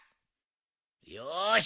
よし。